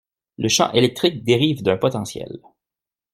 le champ électrique dérive d'un potentiel